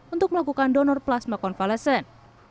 untuk melakukan donor plasma konvalesen